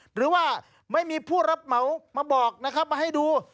หรือว่าไม่มีผู้รับเหมามาบอกนะครับมาให้ดู